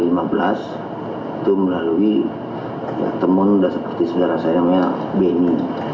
itu melalui teman seperti saudara saya namanya benny